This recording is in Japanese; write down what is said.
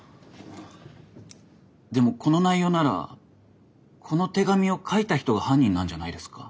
でもこの内容ならこの手紙を書いた人が犯人なんじゃないですか？